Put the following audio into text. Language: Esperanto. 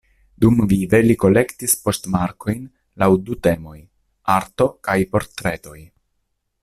Dumvive li kolektis poŝtmarkojn laŭ du temoj: ""Arto"" kaj ""Portretoj"".